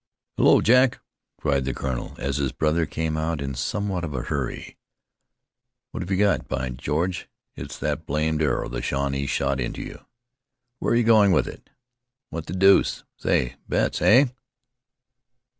"Hello, Jack!" cried the colonel, as his brother came out in somewhat of a hurry. "What have you got? By George! It's that blamed arrow the Shawnee shot into you. Where are you going with it? What the deuce Say Betts, eh?"